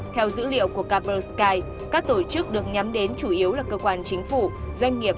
theo dữ liệu của caber sky các tổ chức được nhắm đến chủ yếu là cơ quan chính phủ doanh nghiệp